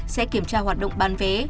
sẽ kiểm tra hoạt động bán vé